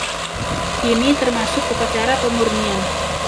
Ini termasuk upacara pemurnian.